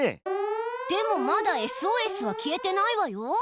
でもまだＳＯＳは消えてないわよ。